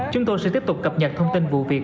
chúng tôi sẽ tiếp tục cập nhật thông tin vụ việc